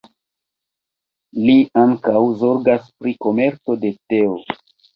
Li ankaŭ zorgas pri komerco de teo.